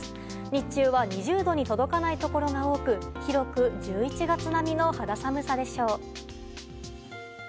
日中は２０度に届かないところが多く広く１１月並みの肌寒さでしょう。